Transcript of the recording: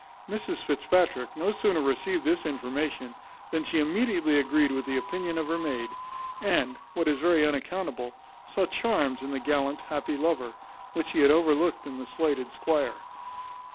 Mrs Fitzpatrick no sooner received this information, than she immediately agreed with the opinion of her maid; and, what is very unaccountable, saw charms in the gallant, happy lover, which she had overlooked in the slighted squire.